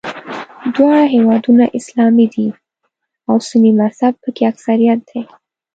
دواړه هېوادونه اسلامي دي او سني مذهب په کې اکثریت دی.